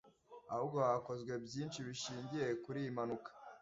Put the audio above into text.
ahubwo hakozwe byinshi bishingiye kuri iyi mpanuka